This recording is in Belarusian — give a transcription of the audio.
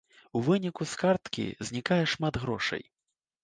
У выніку з карткі знікае шмат грошай.